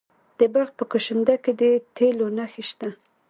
د بلخ په کشنده کې د تیلو نښې شته.